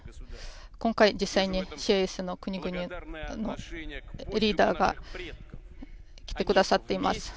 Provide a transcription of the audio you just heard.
今回実際に国々のリーダーが来てくださっています。